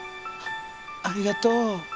ありがとう。